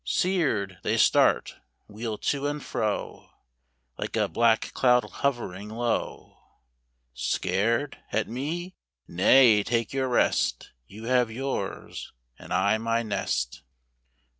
Scared, they start, wheel to and fro, Like a black cloud hovering low. Scared ?—at me!—nay take your rest, You have yours, and I my nest.